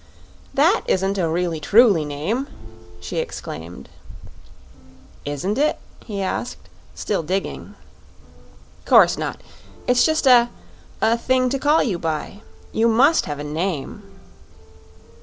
"That isn't a really truly name!" she exclaimed. "Isn't it?" he asked, still digging. "'Course not. It's just a a thing to call you by. You must have a name."